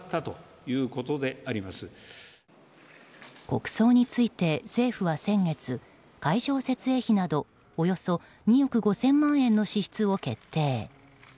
国葬について政府は先月会場設営費などおよそ２億５０００万円の支出を決定。